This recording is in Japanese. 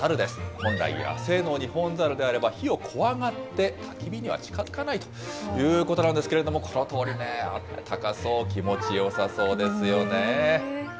本来、野生のニホンザルであれば、火を怖がってたき火には近づかないということなんですけれども、このとおりね、あったかそう、気持ちよさそうですよね。